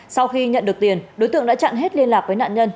sau khi nhận được tiền đối tượng đã chặn hết liên lạc với nạn nhân